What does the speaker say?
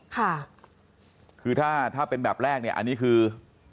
ค่ะคือถ้าถ้าเป็นแบบแรกเนี่ยอันนี้คือ